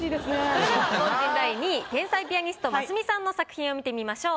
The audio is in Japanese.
それでは凡人第２位天才ピアニストますみさんの作品を見てみましょう。